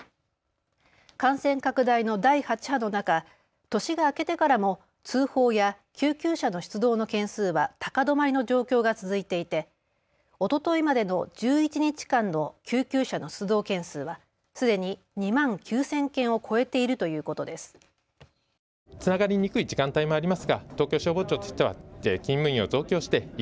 感染拡大の第８波の中年が明けてからも通報や救急車の出動の件数は高止まりの状況が続いていて、おとといまでの１１日間の救急車の出動件数はすでに２万９０００件を超えているということです。